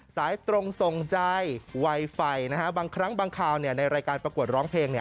สายตรงส่งใจไวไฟนะฮะบางครั้งบางคราวในรายการประกวดร้องเพลง